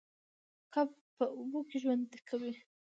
کب په اوبو کې ژوند کوي